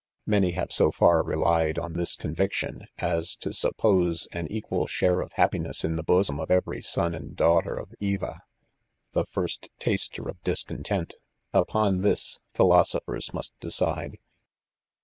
Many have so •far relied on this conviction, as to suppose an equal share ©f happiness in the bosom of every son and daughter of Eva, the first taster of discontent,, Upon this, philoso phers must decide.